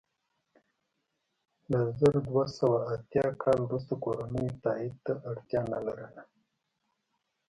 له زر دوه سوه اتیا کال وروسته کورنیو تایید ته اړتیا نه لرله.